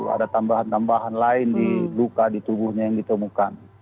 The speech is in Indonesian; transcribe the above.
ada tambahan tambahan lain di luka di tubuhnya yang ditemukan